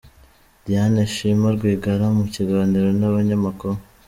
Diane Shima Rwigara mu Kiganiro n’Abanyamakuru